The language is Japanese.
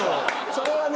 それはね